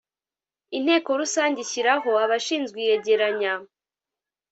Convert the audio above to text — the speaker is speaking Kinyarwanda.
Inteko Rusange ishyiraho abashinzwe iyegeranya